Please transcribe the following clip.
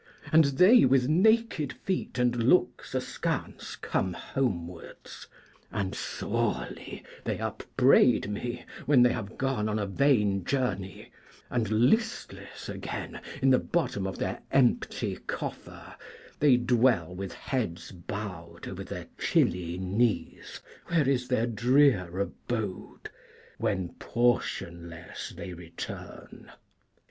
And they with naked feet and looks askance come homewards, and sorely they upbraid me when they have gone on a vain journey, and listless again in the bottom of their empty coffer they dwell with heads bowed over their chilly knees, where is their drear abode, when portionless they return.'